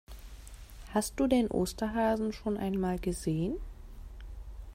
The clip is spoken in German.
Hast du den Osterhasen schon einmal gesehen?